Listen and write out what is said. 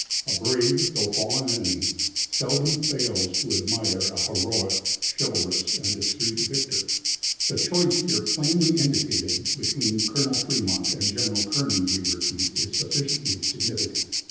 A brave though fallen enemy, seldom fails to admire a heroic, chivalrous and discreet victor. The choice here plainly indicated between Colonel Fremont and General Kearney, we repeat, is sufficiently significant.